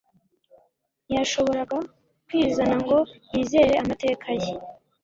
Ntiyashoboraga kwizana ngo yizere amateka ye